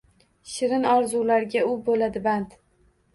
Shirin orzularga u bo’ladi band.